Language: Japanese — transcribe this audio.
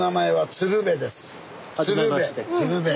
鶴瓶鶴瓶。